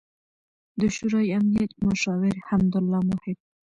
، د شورای امنیت مشاور حمد الله محب